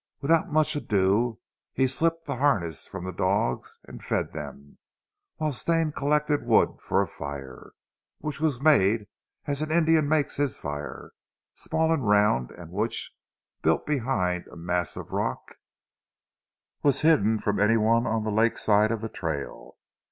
Without more ado, he slipped the harness from the dogs and fed them, whilst Stane collected wood for a fire, which was made as an Indian makes his fire, small and round, and which, built behind a mass of rock, was hidden from any one on the lake side of the trail.